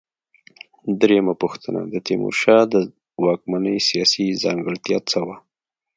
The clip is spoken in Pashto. درېمه پوښتنه: د تیمورشاه د واکمنۍ سیاسي ځانګړتیا څه وه؟